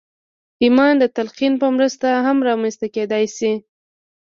ایمان د تلقین په مرسته هم رامنځته کېدای شي